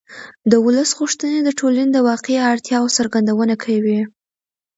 د ولس غوښتنې د ټولنې د واقعي اړتیاوو څرګندونه کوي